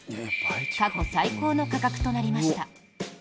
過去最高の価格となりました。